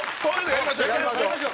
やりましょう。